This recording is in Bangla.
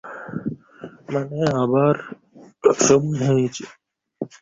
যার মানে আবারও সময় হয়েছে।